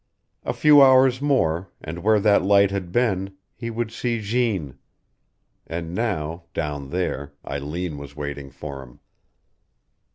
A few hours more, and where that light had been he would see Jeanne. And now, down there, Eileen was waiting for him.